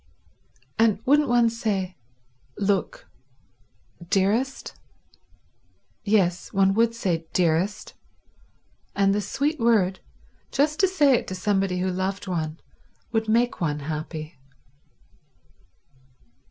And wouldn't one say, "Look—dearest?" Yes, one would say dearest and the sweet word, just to say it to somebody who loved one, would make one happy.